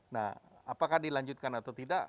nah apakah dilanjutkan atau tidak